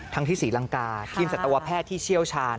ทั้งที่ศรีรังกาที่อินสัตวแพทย์ที่เชี่ยวชาญ